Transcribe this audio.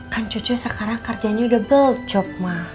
kan cucu sekarang kerjanya udah belcok mah